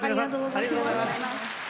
ありがとうございます。